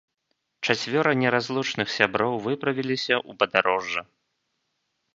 Чацвёра неразлучных сяброў выправіліся ў падарожжа.